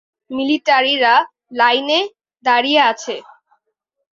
মিলিটারিরা লাইনে দাঁড়িয়ে আছে।